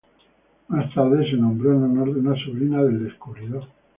Más tarde se nombró en honor de una sobrina del descubridor.